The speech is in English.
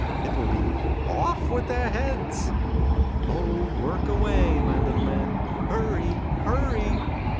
It will be "Of! with their heads !" Oh, work away, my little men ! Hurry, hurry